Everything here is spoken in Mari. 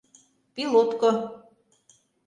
ПИЛОТКО